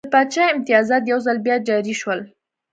د پاچا امتیازات یو ځل بیا جاري شول.